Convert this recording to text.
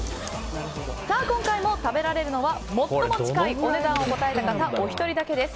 今回も食べられるのは最も近いお値段を答えた方お一人だけです。